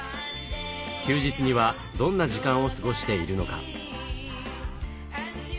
休日にはどんな時間を過ごしているのか？